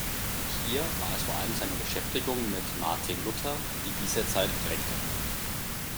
Hier war es vor allem seine Beschäftigung mit Martin Luther, die diese Zeit prägte.